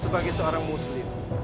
sebagai seorang muslim